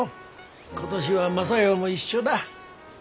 今年は雅代も一緒だ。